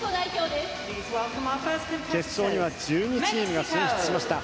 決勝には１２チームが進出しました。